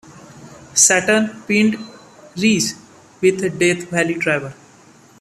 Saturn pinned Reese with a Death Valley Driver.